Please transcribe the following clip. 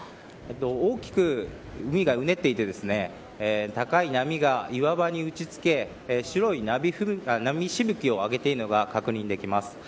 大きく海がうねっていて高い波が岩場に打ち付け白い波しぶきを上げているのが確認できます。